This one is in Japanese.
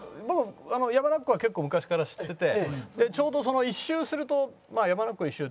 山中湖は結構昔から知っててちょうど一周すると山中湖一周って１４キロ。